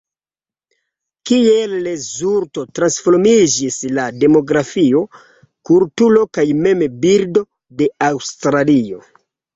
Kiel rezulto transformiĝis la demografio, kulturo kaj mem-bildo de Aŭstralio.